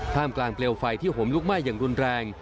มกลางเปลวไฟที่ห่มลุกไหม้อย่างรุนแรง